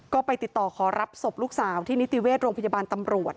ก็ไปติดต่อขอรับศพลูกสาวที่นิติเวชโรงพยาบาลตำรวจ